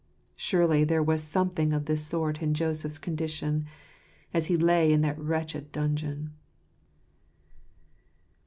Surely there was something of this sort in Joseph's con dition, as he lay in that wretched dungeon.